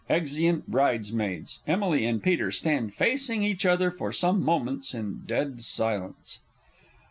[Exeunt Bridesmaids; EMILY and PETER _stand facing each other for some moments in dead silence.